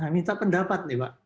minta pendapat nih pak